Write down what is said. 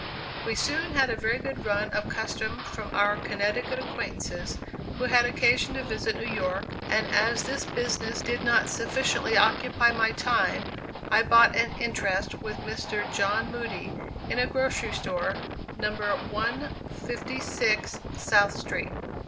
We soon had a very good run of custom from our Connecticut acquaintances who had occasion to visit New York, and as this business did not sufficiently occupy my time, I bought an interest with Mr. John Moody in a grocery store, No. 156 South Street.